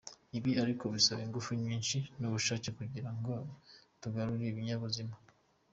Ibi ariko bisaba ingufu nyinshi n’ubushake kugira ngo tugarure ibinyabuzima.